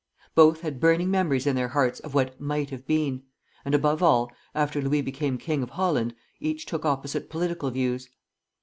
Both had burning memories in their hearts of what "might have been," and above all, after Louis became king of Holland, each took opposite political views.